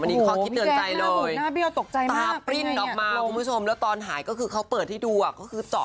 อันนี้ข้อขิดเตือนใจเลยตาปริ้นออกมาคุณผู้ชมโหวพี่แก่งฝุ่นหน้าเบี้ยวตกใจมาก